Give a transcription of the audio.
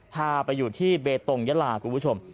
พาไปอยู่ที่เบตงยาลาคุณผู้ชม